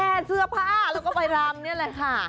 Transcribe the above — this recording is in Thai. เสื้อผ้าแล้วก็ไปรำนี่แหละค่ะ